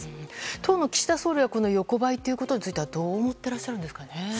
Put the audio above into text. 当の岸田総理は横ばいということについてはどう思っているんですかね。